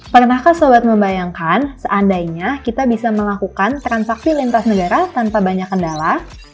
pernahkah sobat membayangkan seandainya kita bisa melakukan transaksi lintas negara tanpa banyak kendala